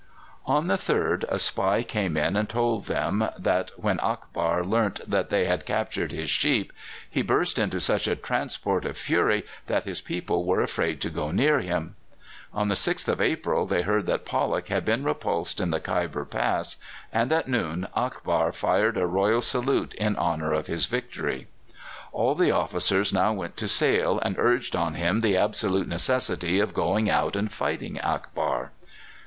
On the 3rd a spy came in and told them that when Akbar learnt that they had captured his sheep, he burst into such a transport of fury that his people were afraid to go near him. On the 6th of April they heard that Pollock had been repulsed in the Khyber Pass, and at noon Akbar fired a royal salute in honour of his victory. All the officers now went to Sale and urged on him the absolute necessity of going out and fighting Akbar.